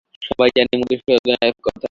সবাই জানে মধুসূদনের এক কথা।